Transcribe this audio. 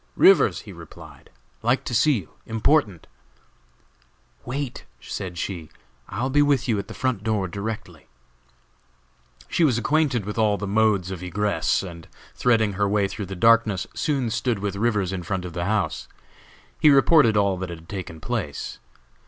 "Rivers," he replied; "like to see you; important." "Wait," said she; "I will be with you at the front door directly." She was acquainted with all the modes of egress, and threading her way through the darkness, soon stood with Rivers in front of the house. He reported all that had taken place.